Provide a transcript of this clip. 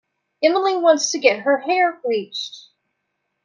Emily wants to get her hair bleached.